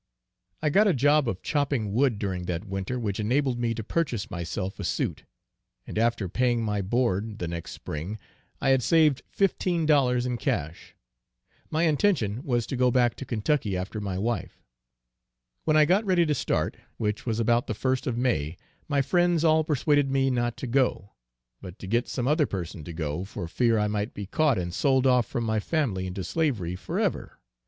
I got a job of chopping wood during that winter which enabled me to purchase myself a suit, and after paying my board the next spring, I had saved fifteen dollars in cash. My intention was to go back to Kentucky after my wife. When I got ready to start, which was about the first of May, my friends all persuaded me not to go, but to get some other person to go, for fear I might be caught and sold off from my family into slavery forever.